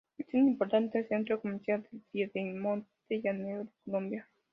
Es un importante centro comercial del piedemonte llanero de Colombia.